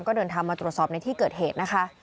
ก็เดินทางมาตรวจสอบในที่เกิดเหตุนะคะ